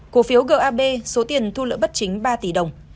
cổ phiếu gab số tiền thu lợi bất chính ba tỷ đồng